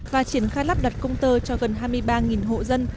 và triển khai lắp đặt công tơ cho gần hai mươi ba hộ dân